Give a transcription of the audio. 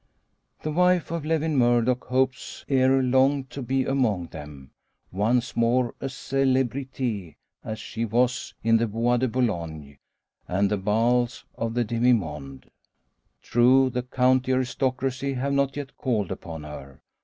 The wife of Lewin Murdock hopes ere long to be among them once more a celebrite, as she was in the Bois de Boulogne, and the bals of the demi monde. True, the county aristocracy have not yet called upon her.